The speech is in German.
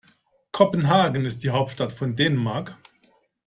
Kopenhagen ist die Hauptstadt von Dänemark.